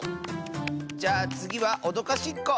じゃあつぎはおどかしっこ！